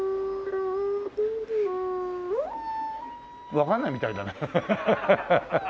わかんないみたいだね。